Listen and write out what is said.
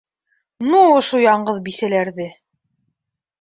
Ну, ошо яңғыҙ бисәләрҙе!